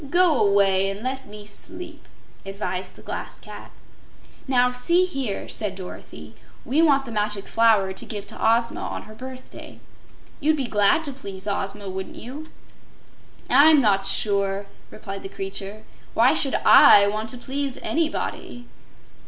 Go away and let me sleep," advised the Glass Cat. "Now, see here," said Dorothy; "we want the Magic Flower to give to Ozma on her birthday. You'd be glad to please Ozma, wouldn't you?" "I'm not sure," replied the creature. "Why should I want to please anybody?"